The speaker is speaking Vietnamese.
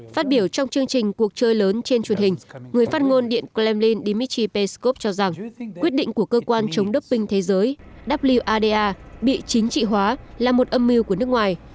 phát biểu trong chương trình cuộc chơi lớn trên truyền hình người phát ngôn điện kremlin dmitry peskov cho rằng quyết định của cơ quan chống doping thế giới bị chính trị hóa là một âm mưu của nước ngoài